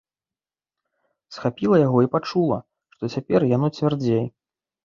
Схапіла яго і пачула, што цяпер яно цвярдзей.